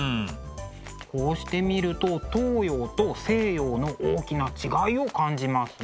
こうして見ると東洋と西洋の大きな違いを感じますね。